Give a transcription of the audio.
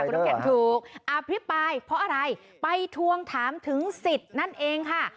คุณน้ำแข็งถูกอภิปรายเพราะอะไรไปทวงถามถึงสิทธิ์นั่นเองค่ะ